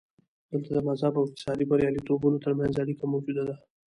دلته د مذهب او اقتصادي بریالیتوبونو ترمنځ اړیکه موجوده ده.